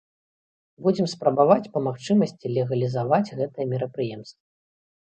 Будзем спрабаваць па магчымасці легалізаваць гэтае мерапрыемства.